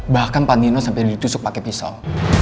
bahkan nino sampai ditusuk pake pisau